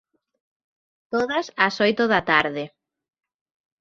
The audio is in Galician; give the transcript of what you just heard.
Todas ás oito da tarde.